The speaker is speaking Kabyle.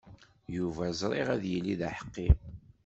Yuba ẓriɣ ad yili d aḥeqqi.